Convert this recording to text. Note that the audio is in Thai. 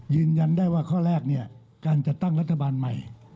ยืนยันได้ว่าข้อแรกเนี่ยการจัดตั้งรัฐบาลใหม่